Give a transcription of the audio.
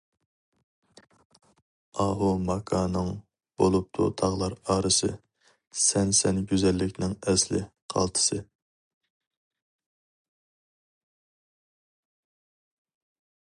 ئاھۇ ماكانىڭ بولۇپتۇ تاغلار ئارىسى، سەنسەن گۈزەللىكنىڭ ئەسلى، قالتىسى.